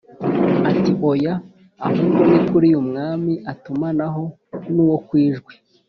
ati"oya ahubwo nikuriya umwami atumanaho nuwo kwijwi